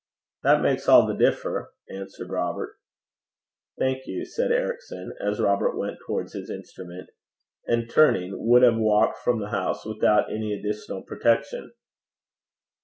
'That maks a' the differ,' answered Robert. 'Thank you,' said Ericson, as Robert went towards his instrument; and, turning, would have walked from the house without any additional protection.